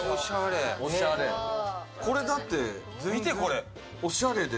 これだって見て、これ、おしゃれで。